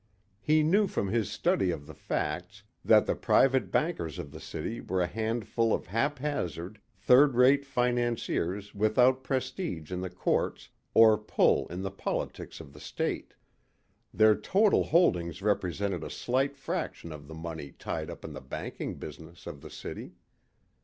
He knew from his study of the facts that the private bankers of the city were a handful of haphazard, third rate financiers without prestige in the courts or pull in the politics of the state. Their total holdings represented a slight fraction of the money tied up in the banking business of the city.